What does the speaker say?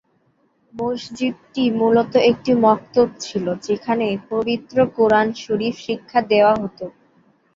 মসজিদটি মূলত একটি মক্তব ছিল, যেখানে পবিত্র কুরআন শরিফ শিক্ষা দেয়া হত।